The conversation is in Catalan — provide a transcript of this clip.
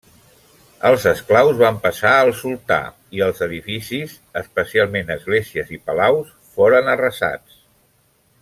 Els esclaus van passar al sultà i els edificis, especialment esglésies i palaus, foren arrasats.